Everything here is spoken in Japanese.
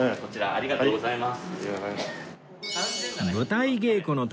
ありがとうございます。